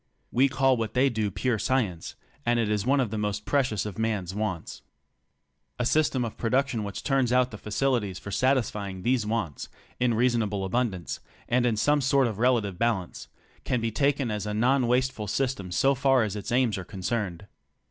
We call what they do pure science and it is one of the most precious of man's wants. A system of production which turns out the facilities for satisfying these wants in reasonable abundance and in some sort of relative balance, can be taken as a non wasteful sys tem so far as its aims are concerned.